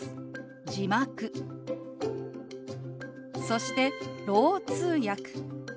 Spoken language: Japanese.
そして「ろう通訳」。